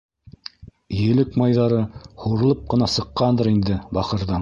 Елек майҙары һурылып ҡына сыҡҡандыр инде бахырҙың.